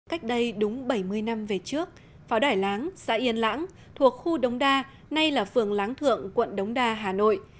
cách đây đúng bảy mươi năm về trước pháo đại láng xã yên lãng thuộc khu đống đa nay là phường láng thượng quận đống đa hà nội